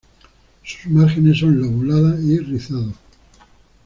Sus márgenes son lobuladas y rizados.